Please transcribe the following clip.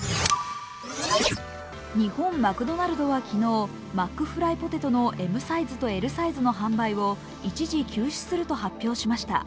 日本マクドナルドは昨日、マックフライポテトのＭサイズとＬサイズの販売を一時休止すると発表しました。